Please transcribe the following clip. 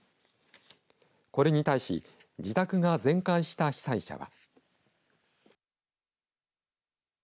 これに対し自宅が全壊した被災者は。